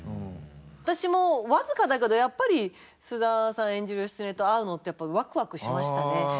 私も僅かだけどやっぱり菅田さん演じる義経と会うのってやっぱワクワクしましたね。